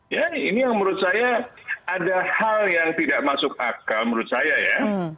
ya ini yang menurut saya ada hal yang tidak masuk akal menurut saya ya